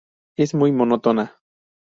Es muy monótona.